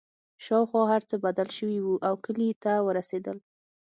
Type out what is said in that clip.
شاوخوا هرڅه بدل شوي وو او کلي ته ورسېدل